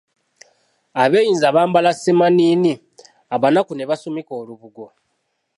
Abeeyinza bambala semaanini, Abanaku ne basumika olubugo.